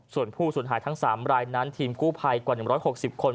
ส่วนผู้สูญหายทั้ง๓รายนั้นทีมกู้ภัยกว่า๑๖๐คน